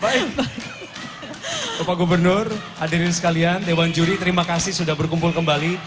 bapak gubernur hadirin sekalian dewan juri terima kasih sudah berkumpul kembali